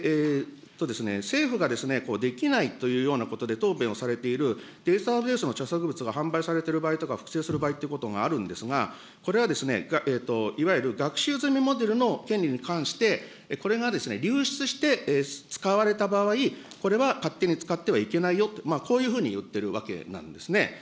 政府ができないというようなことで答弁をされている、データベースの著作物が販売されてる場合とか、複製する場合ということがあるんですが、これはいわゆる学習済みモデルの権利に関して、これが流出して使われた場合、これは勝手に使ってはいけないよと、こういうふうに言っているわけなんですね。